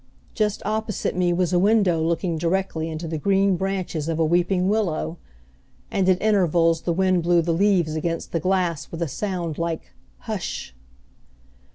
Just opposite me was a window looking directly into the green branches of a weeping willow; and at intervals the wind blew the leaves against the glass with a sound like "Hush!"